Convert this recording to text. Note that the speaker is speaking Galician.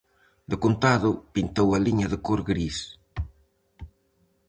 Decontado, pintou a liña de cor gris.